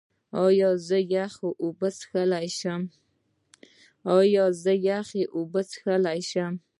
ایا زه یخې اوبه څښلی شم؟